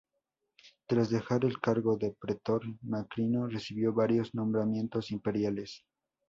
Tras dejar el cargo de pretor, Macrino recibió varios nombramientos imperiales.